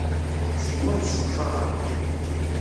Acemma ur t-sseqcareɣ.